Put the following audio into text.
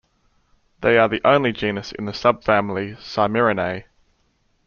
They are the only genus in the subfamily Saimirinae.